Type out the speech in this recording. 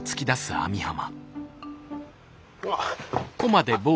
うわっ。